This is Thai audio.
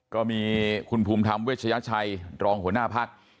ก็มีคุณภูมิธรรมเวชยชัยรองหัวหน้าพัก